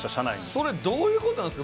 それどういうことなんすか？